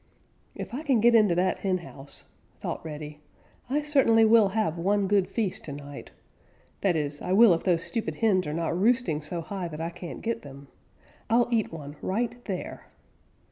"If I can get into that henhouse," thought Reddy, "I certainly will have one good feast to night. That is, I will if those stupid hens are not roosting so high that I can't get them. I'll eat one right there."